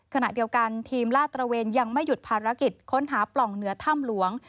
ขณะเดียวกันทีมลาดตระเวนยังไม่หยุดภารกิจค้นหาปล่องเหนือถ้ำหลวง